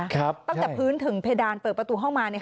ตั้งแต่พื้นถึงเพดานเปิดประตูห้องมา